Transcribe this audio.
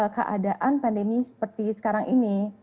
keadaan pandemi seperti sekarang ini